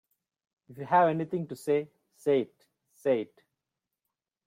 If you have anything to say, say it, say it.